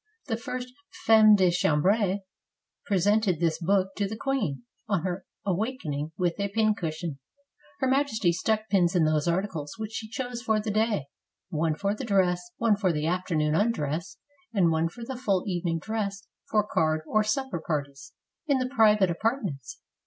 The first femme de chambre presented this book to the queen, on her awak ing, with a pincushion; Her Majesty stuck pins in those articles which she chose for the day: one for the dress, one for the afternoon undress, and one for the full even ing dress for card or supper parties, in the private apart ments.